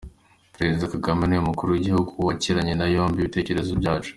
Perezida Kagame ni we mukuru w’igihugu wakiranye na yombi ibitekerezo byacu.